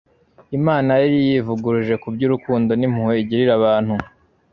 Imana yari yivuguruje ku by'urukundo n'impuhwe igirira abantu.